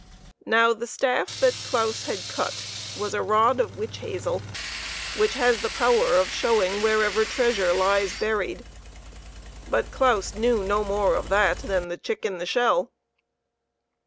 Now the staff that Claus had cut was a rod of witch hazel, which has the power of showing wherever treasure lies buried. But Claus knew no more of that than the chick in the shell.